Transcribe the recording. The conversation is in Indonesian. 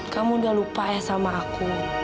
kamu udah lupa ya sama aku